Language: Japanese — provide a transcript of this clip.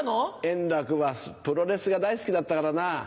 円楽はプロレスが大好きだったからな。